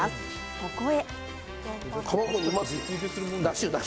そこへ。